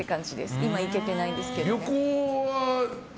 今行けてないですけど。